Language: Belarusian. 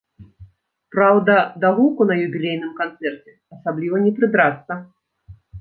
Праўда, да гуку на юбілейным канцэрце асабліва не прыдрацца.